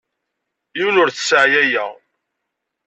Yiwen ur t-sseɛyayeɣ.